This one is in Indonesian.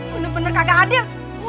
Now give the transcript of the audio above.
bener bener kagak adil